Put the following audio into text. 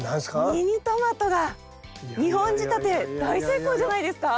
ミニトマトが２本仕立て大成功じゃないですか。